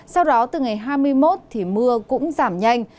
sau đó từ ngày hai mươi một thì mưa cũng giảm nhanh